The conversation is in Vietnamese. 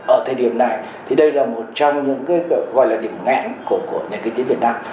ở thời điểm này thì đây là một trong những gọi là điểm ngã của cộng đồng